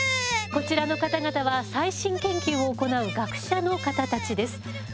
こちらの方々は最新研究を行う学者の方たちです。